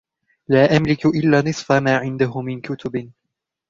لا أملك إلا نصف ما عنده من كتب.